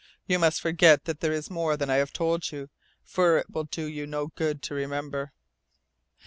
You must forget that there is more than I have told you, for it will do you no good to remember."